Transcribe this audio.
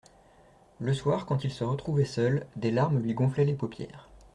Le soir, quand il se retrouvait seul, des larmes lui gonflaient les paupières.